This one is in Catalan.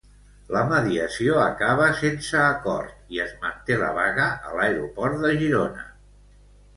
La mediació acaba sense acord i es manté la vaga a l'aeroport de Girona.